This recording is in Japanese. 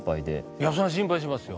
いや、そりゃ心配しますよ。